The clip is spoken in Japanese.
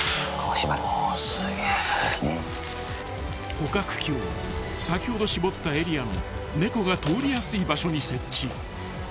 ［捕獲器を先ほど絞ったエリアの猫が通りやすい場所に設置］